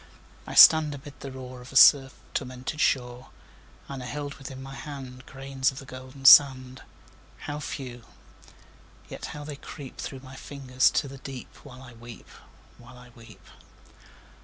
I stand amid the roar Of a surf tormented shore, And I hold within my hand Grains of the golden sand How few! yet how they creep Through my fingers to the deep While I weep while I weep!